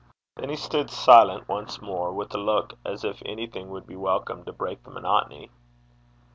Then he stood silent once more, with a look as if anything would be welcome to break the monotony.